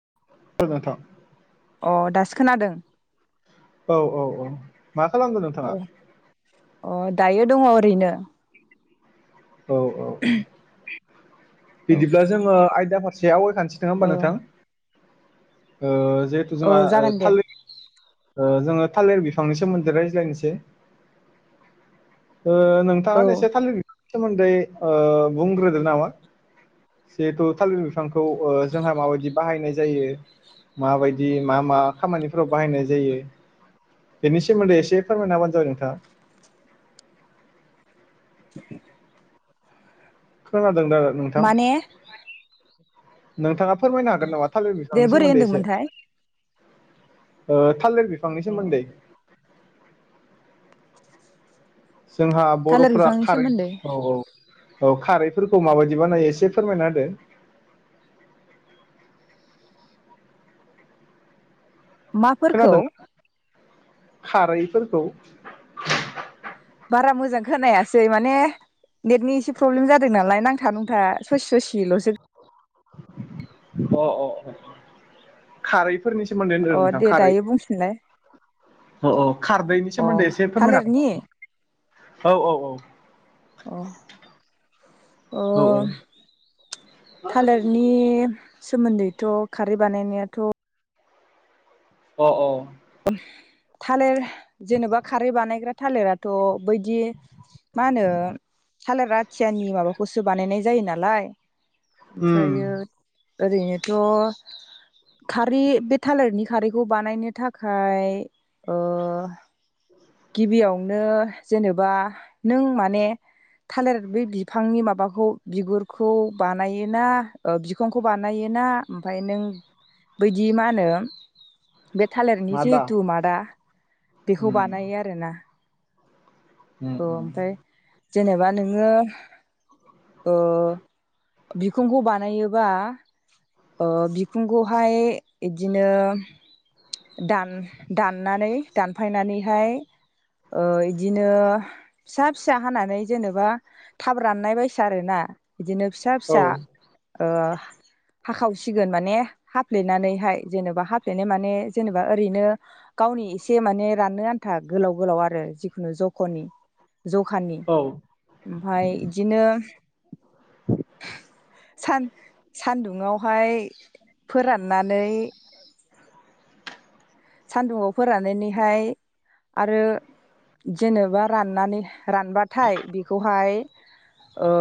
[unintelligible] अ दासो खोनादों। औ औ औ मा खालामगोन औ नोंथाङा। अ दायो दङ ओरैनो। औ औ औ औ बिदिब्ला जोङो आयदाफार [unintelligible] सोंआ होमबा औ नोंथां। ओ जिहेथु औ जोंहा जागोन दे थालिर ओ जोङो थालिर बिफांनि सोमोन्दै रायज्लायनोसै। ओ नोंथाङा औ आंनो एसे थालिर सोमोनदै ओ बुंग्रोदों नामा? जिहेथु थालिर बिफां खौ ओ जों माबायदि बाहायनाय जयो माबायदि मा-मा खामानिफोराव बाहायनाय जायो। बेनि सोमोन्दै एसे फोरमायना होबानो जाबाय नोंथाङा। [unintelligible] खोना [unintelligible] नोंथां, माने नोंथाङा फोरमायनो हागोन नामा थालिर दे बिफांनि बोरै सोमोन्दै एसे। होनदोंमोनथाय ओ थालिर बिफ बिफांनि अ सोमोन्दै। जोंहा थालिर बर'फोरा बिफांनि खारै सोमोन्दै औ-औ औ खारैफोरखौ माबायदि बानायो एसे फोरमायना होदो। माफोरखौ। खोनादों खारैफोरखौ। बारा मोजां खोनायासै माने नेटनि एसे प्रब्लेम जादों नालाय नांथा नुंथा ससे ससेल'सो अ अ अ खारै सोमोन्दै अ दे दायो बुंफिनलाय। अ-अ खारदैनि अ सोमोन्दै एसे फोरमायनो थालिरनि हागोन नामा औ औ औ अ । अ थालिरनि सोमोन्दैथ' खारै बानायनायाथ' अह अह । थालिर जेनेबा खारै बानायग्रा थालिराथ' बैदि मा होनो थालिर आथियानि माबाखौ गुसु बानायनाय जायो नालाय उम ओमफ्रायो ओरैनोथ' खारै बे थालिरनि खारैखौ बानायनो थाख खाय ओ गिबियावनो जेनेबा नों माने थालिर बे बिफांनि माबाखौ बिगुरखौ बानायोना ओ बिखंखौ बानायोना ओमफाय नों बैदि मा होनो बे थालिरनि मादा जिहेथु मादा बेखौ बानायो आरोना ओम औ ओम ओमफ्राय जेनेबा नोङो ओ बिखुंखौ बानायोबा ओ बिखुंखौहाय इदिनो दान दाननानै दानफायनानैहाय ओ इदिनो फिसा फिसा हानानै जेनेबा थाब राननाय बायसा आरोना । बिदिनो फिसा औ फिसा ओ हाखावसिगोन माने हाफ्लेनानैहाय जेनेबा हाफ्लेनाय माने जेनेबा ओरैनो गावनि एसे माने राननो आन्था गोलाव गोलाव आरो जिखुनु जख'नि। जखानि औ ओमफाय इदिनो सान सान्दुंङावहाय फोराननानै सान्दुंङाव फोराननानैहाय आरो जेनेबा राननानै रानबाथाय बेखौहाय ओ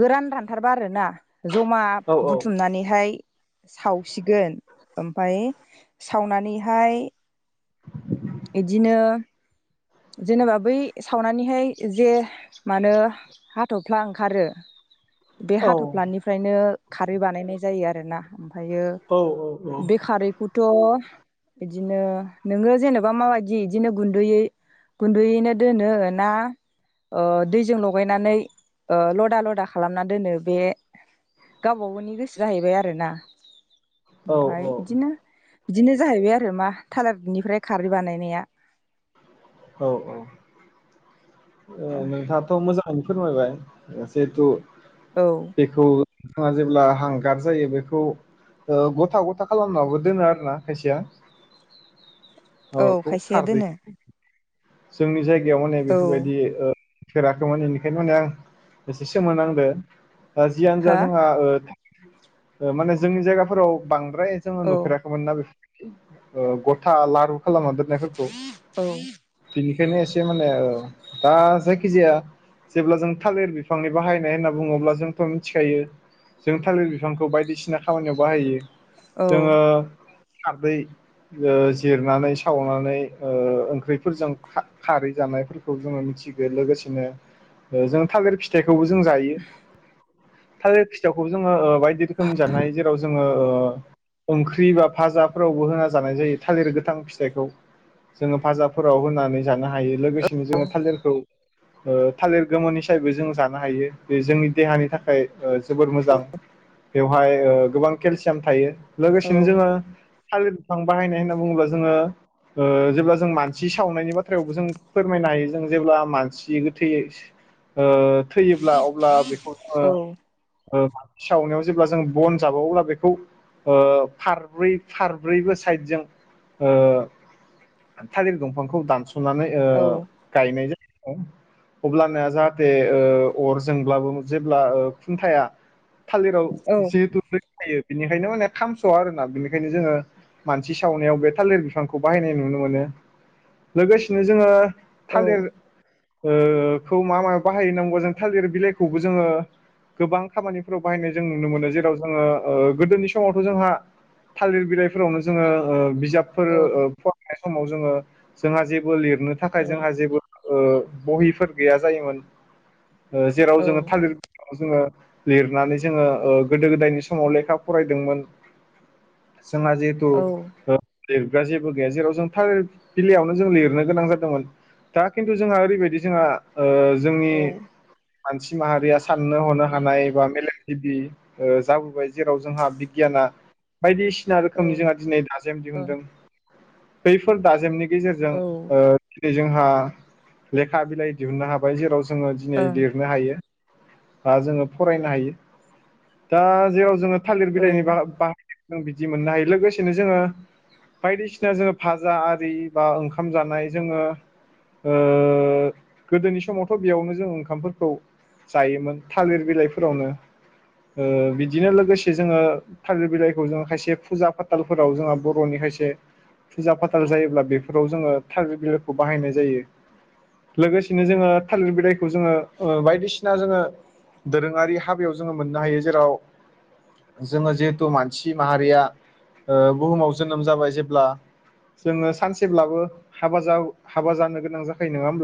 गोरान रानथारबा आरोना जमा औ बुथुमनानैहाय सावसिगोन ओमफाय सावनानैहाय इदिनो जेनेबा बै सावनानैहाय जे मानो हाथ'फ्ला ओंखारो बे औ हाथफ्लानिफ्रायनो खारै बानायनाय जायो आरोना । ओमफायो औ बे खारैखौथ' बिदिनो नोङो जेनेबा माबायदि इदिनो गुन्दैयै गुन्दैयैनो दोनो ना ओ दैजों लगायनानै ओ लदा लदा खालामना दोनो बे गावबा गावनि गोसो जाहैबाय आरोना। औ ओमफाय इदिनो बिदिनो जाहैबाय आरो मा थालारनिफ्राय खारै बानायनाया। औ औ । ओ नोंथाङाथ' मोजां फोरमायबाय ओ जिहेथु औ बेखौ थाङा जेबोला हांगार जायो बेखौ ओ गथा गथा खालामनाबो दोनो आरो ना खायसेया। औ खौ खायसेया दोनो खारदैखौ। जोंनि जायगा याव माने औ बेफोरबायदि ओ फेरीखैमोन इनिखायनो माने आं एसे सोमोनांदो। दा जियानो जा हा जोंहा ओ माने जोंनि जायगाफोराव बां प्राय जोङो औ नुफेराखैमोन ना बे ओ गथा लारु खालामना दोननायफोरखौ औ बिनिखायनो एसे माने ओ दा जायखिजाया जेब्ला जों थालिर बिफांनि बाहायनाय होनना बुङोब्ला जोंथ' मिथिखायो जों थालिर बिफांखौ बायदिसिना खामानियाव बाहायो। औ जोङो खारदै ओ जिरनानै सावनानै ओ ओंख्रि फोर जों खा-खारै जानायफोरखौ जोङो मिथि लोगोसेनो जों थागिर फिथाइ खौबो जों जायो। थलेर फिथाखौ जोङो ओ बायदि रोखोम जानाय जेराव जों ओं ओ ओ ओंख्रि बा भाजाफोरावबो होना जानाय जायो थालिर गोथां फिथखौ जोङो फाजाब फोराव होनानै जानो हायो लोगोसेयैनो जों थालेरखौ ओ थालेर गोमोन हि फिथाइबो जों जानो हायो बे जोंनि देहानि थाखाय ओ जोबोर मोजां बेवहाय गोबां केल सियाम थायो औ लोगोसेनो जोङो थालिर फां बाहायनाय होनना बुङोब्ला जोङो ओ जेब्ला जोंङो मान मानसि सावनायनि बाथ्रायावबो जों फोरमायनो हायो जों जेब्ला मानसि गोथै ओ थैयोब्ला अब्ला बेखौ ओ औ ओ सि सावनायाव जेब्ला जों बन जाबो अब्ला बेखौ ओ फारब्रै फारब्रैबो साइदजों ओ थालिर दंफांखौ दानस सुनानै ओ औ गायनाय जाय अब्लाना जाहाथे ओ अरजोंब्लाबो जेब्ला खुन्थाया थालिराव जिहेथु [unintelligible] थायो बिनिखायनो माने खामस'आ आरोना बिनिखायनो जोङो मानसि सावनायाव बे थालिर बिफांखौ बाहायनाय नुनो मोनो। लोगोसेनो जोङो औ थालिर ओ खौ मा मा बाहायो होना बुङोबा जों थालिर बिलाइखौबो जोङो गोबां खामानिफोराव बाहायनाय जों नुनो मोनो जेराव जोङो ओ गोदोनि समावथ' जोंहा थालिर बिलाइफोरावनो जोङो ओ बि जाबफोर ओ [unintelligible] समाव जोङो जोंहा जेबो लिर नो थाखाय जोंहा जेबो ओ बहिफोर गैया जायोमोन। ओ जेराव औ जोङो थालिर जोंङो लिरनानै जोङो ओ गोदो गोदायनि समाव लेखा फरायदोंमोन। जोंहा जिहेतु ओ लिरग्रा जेबो गैया, जेराव जों थालिर बिलायावनो जों लिरनो गोनां जादोंमोन। दा किन्टु जोंहा ओरैबायदि जोंहा ओ जोंनि मानसि माहारिया साननो हनो हानाय बा मेलेम जिबि ओ जाबोबाय जेराव जोंहा बिगियाना बायदिसिना औ रोखोमनि जोंहा दिनै दाजेम दिहुनदों। बैफोर दाजेमनि गेजेरजों औ ओ जोंहा लेखा बिलाइ दिहुननो हाबाय जेराव जों जोङो दिनै ओं लिरनो हायो। आ जोङो फरायनो हायो। दा जेराव जोङो थालिर औ बिलाइनि बा-बा जों बिदि मोननो हायो लोगोसेनो जोङो बायदिसिना जोङो भाज जा आरि बा ओंखाम जानाय जोङो ओ गोदोनि समावथ' बेयावनो जों ओंखामफोरखौ जायोमोन थालिर बिलाइफोरावनो। ओ बिदिनो लोगोसे जोङो थालिर बिलाइखौ जो खायसे फुजा फाथालफोराव जोंहा बर'नि खायसे फुजा फाथाल जायोब्ला बेफोराव जोङो थालिर बिलाइखौ बाहायनाय जायो। लोगोसेनो जोङो थालिर बिलाइखौ जोङो ओ बायदिसिना जोङो दोरोङारि हाबायाव जोङो मोननो हायो जेराव जोङो जिहेथु मानसि माहारिया ओ बुहुमाव जोनोम जाबाय जेब्ला जोङो सानसेब्लाबो हाबा जाउ हाबा जानो गोनां जाखायो नोङा होमब्ला?